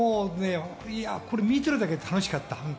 見てるだけで楽しかった。